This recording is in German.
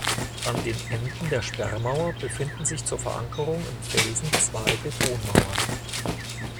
An den Enden der Sperrmauer befinden sich zur Verankerung im Felsen zwei Betonmauern.